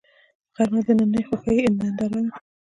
غرمه د دنننۍ خوښۍ ننداره ده